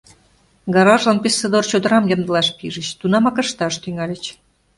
Гаражлан пеш содор чодырам ямдылаш пижыч, тунамак ышташ тӱҥальыч.